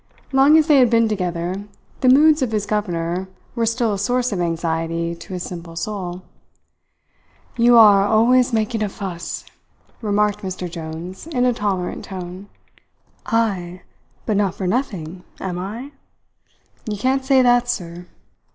Long as they had been together the moods of his governor were still a source of anxiety to his simple soul. "You are always making a fuss," remarked Mr. Jones, in a tolerant tone. "Ay, but not for nothing, am I? You can't say that, sir.